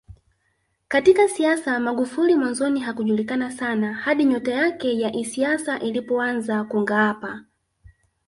Katika siasa Magufuli mwanzoni hakujulikana sana hadi nyota yake ya isiasa ilipoanza kungaapa